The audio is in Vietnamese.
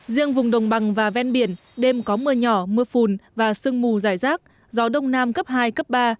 riêng vùng đồng bằng và ven biển đêm có mưa nhỏ mưa phùn và sương mù dài rác gió đông nam cấp hai cấp ba